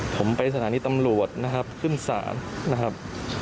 ผมไปสถานีตำรวจนะครับขึ้นศาลนะครับ